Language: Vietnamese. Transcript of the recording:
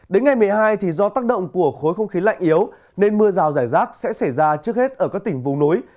đến ngày một mươi hai do tác động của khối không khí lạnh yếu nên mưa rào rải rác sẽ xảy ra trước hết ở các tỉnh vùng núi